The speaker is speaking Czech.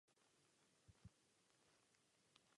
Poloviny jsou vždy stejné.